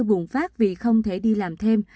buồn phát vì không thể đi làm thêm